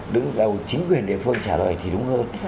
đứng đầu chính quyền địa phương trả lời thì đúng hơn